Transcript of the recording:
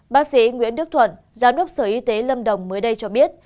bác sĩ nguyễn đức thuận giám đốc sở y tế lâm đồng mới đây cho biết